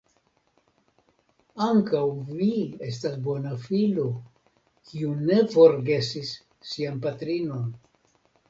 Ankaŭ vi estas bona filo, kiu ne forgesis sian patrinon.